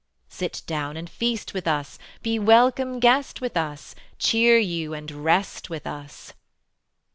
Sit down and feast with us, Be welcome guest with us, Cheer you and rest with us."